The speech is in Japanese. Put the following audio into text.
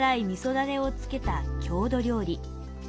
だれをつけた郷土料理。